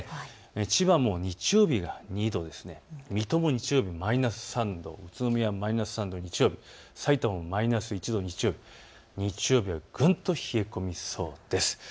千葉も日曜日は２度、水戸も日曜日はマイナス３度、宇都宮は日曜日マイナス３度、さいたまも日曜日マイナス１度、ぐんと冷え込みそうです。